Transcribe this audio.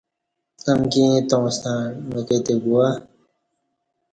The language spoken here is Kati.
امکی ییں تاوں ستݩع مکہ تے گواہ